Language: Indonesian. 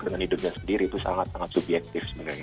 dengan hidupnya sendiri itu sangat sangat subjektif sebenarnya